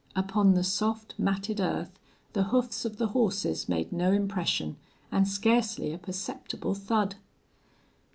Upon the soft, matted earth the hoofs of the horses made no impression and scarcely a perceptible thud.